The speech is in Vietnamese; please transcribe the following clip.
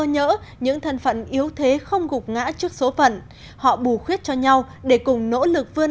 nhỡ những thân phận yếu thế không gục ngã trước số phận họ bù khuyết cho nhau để cùng nỗ lực vươn